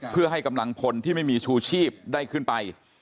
เพื่อให้กำลังพลที่ไม่มีชูชีพได้ขึ้นไป